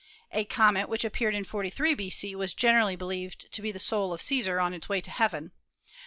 A comet which ap peared in 43 b.c. was generally believed to be the soul of Caesar on its way to heaven.